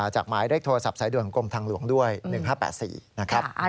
หมายเลขโทรศัพท์สายด่วนของกรมทางหลวงด้วย๑๕๘๔นะครับ